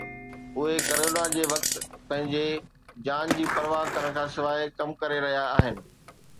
اهي ڪرونا جي وقت ۾ پنهنجي جان جي پرواهه ڪرڻ کان سواءِ ڪم ڪري رهيا آهن.